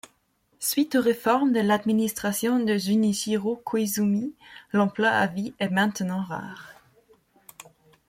Suite aux réformes de l'administration de Junichiro Koizumi, l'emploi à vie est maintenant rare.